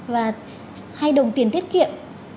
và hay đồng tiền thiết kiệm